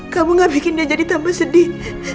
kamu gak bikin dia jadi tambah sedih